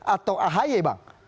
atau ahi bang